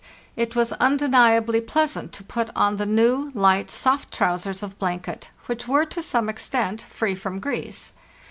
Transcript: It was undenia bly pleasant to put on the new, light, soft trousers of blanket, which were, to some extent, free from grease.